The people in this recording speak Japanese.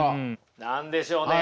何でしょうね？